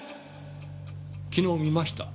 昨日見ました？